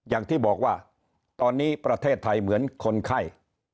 อย่างที่บอกว่าตอนนี้ประเทศไทยเหมือนคนไข้